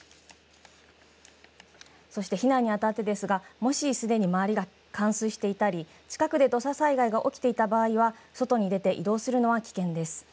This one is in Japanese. そして避難にあたってもしすでに周りが冠水していたり近くで土砂災害が起きていた場合は外に出て移動するのは危険です。